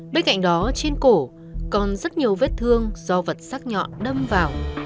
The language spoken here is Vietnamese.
bên cạnh đó trên cổ còn rất nhiều vết thương do vật xác nhọn đâm vào